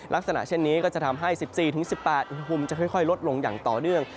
ลักษณะเช่นนี้ก็จะทำให้๑๔๑๘อุณหภูมิจะค่อยลดลงอย่างต่อเนื่อง